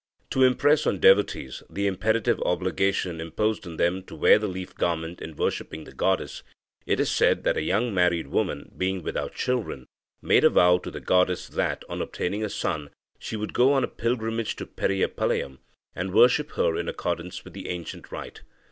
To impress on devotees the imperative obligation imposed on them to wear the leaf garment in worshipping the goddess, it is said that a young married woman, being without children, made a vow to the goddess that, on obtaining a son, she would go on a pilgrimage to Periyapalayam, and worship her in accordance with the ancient rite.